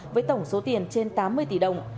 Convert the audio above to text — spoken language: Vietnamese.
với tổng số tiền trên tám mươi tỷ đồng